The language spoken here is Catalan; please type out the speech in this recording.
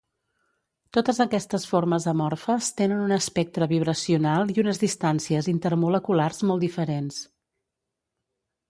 Totes aquestes formes amorfes tenen un espectre vibracional i unes distàncies intermoleculars molt diferents.